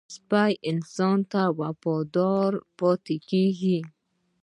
سپي انسان ته وفاداره پاتې کېږي.